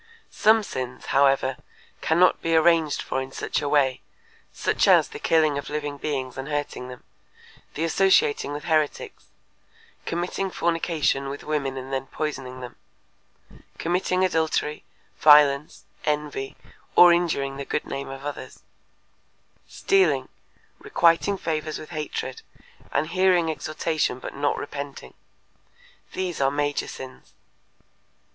Some sins, however, cannot be arranged for in such a way, such as the killing of living beings and hurting them; the associating with heretics; committing fornication with women and then poisoning them; committing adultery, violence, envy, or injuring the good name of others; stealing, requiting favors with hatred, and hearing exhortation but not repenting. These are major sins.